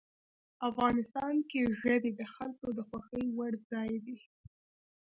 افغانستان کې ژبې د خلکو د خوښې وړ ځای دی.